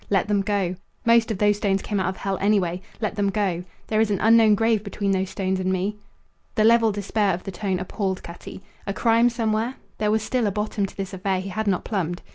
Let them go. Most of those stones came out of hell, anyhow. Let them go. There is an unknown grave between those stones and me." The level despair of the tone appalled Cutty. A crime somewhere? There was still a bottom to this affair he had not plumbed?